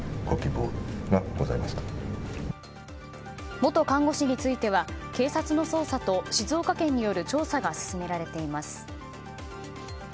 元看護師については警察の捜査と静岡県による調査が進められています。